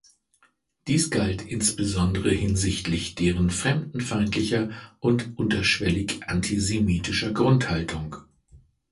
Dies galt insbesondere hinsichtlich deren "„fremdenfeindlicher und unterschwellig antisemitischer Grundhaltung“".